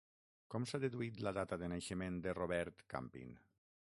Com s'ha deduït la data de naixement de Robert Campin?